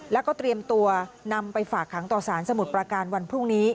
แล้วก็เตรียมตัวนำไปฝากขังต่อสารสมุทรประการวันพรุ่งนี้